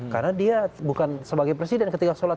karena dia bukan sebagai presiden ketika sholat